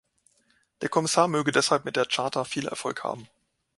Der Kommissar möge deshalb mit der Charta viel Erfolg haben.